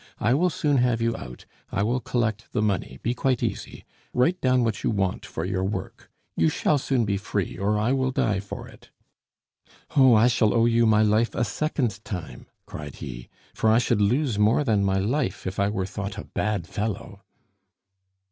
I will soon have you out. I will collect the money be quite easy. Write down what you want for your work. You shall soon be free, or I will die for it." "Oh, I shall owe you my life a second time!" cried he, "for I should lose more than my life if I were thought a bad fellow."